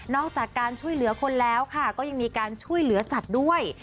จากการช่วยเหลือคนแล้วค่ะก็ยังมีการช่วยเหลือสัตว์ด้วย